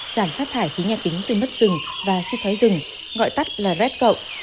giảm phát thải khí nha tính từ mất rừng và su thói rừng gọi tắt là red cậu